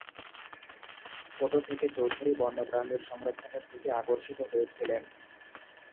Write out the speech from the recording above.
ছোট থেকে চৌধুরী বন্যপ্রাণীর সংরক্ষণের প্রতি আকর্ষিত হয়েছিলেন।